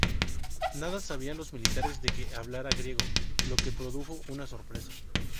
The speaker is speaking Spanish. Nada sabían los militares de que hablara griego, lo que produjo una sorpresa.